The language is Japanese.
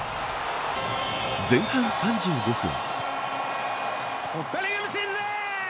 前半３５分。